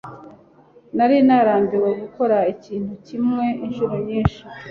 Nari narambiwe gukora ikintu kimwe inshuro nyinshi.